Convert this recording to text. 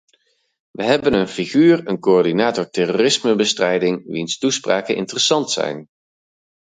We hebben een figuur, een coördinator terrorismebestrijding, wiens toespraken interessant zijn.